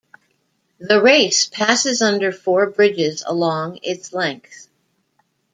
The race passes under four bridges along its length.